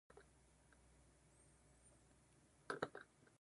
豊作の年には政府が米を買い上げ、それを凶作の年に安く売ること。